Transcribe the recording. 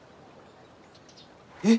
えっ！？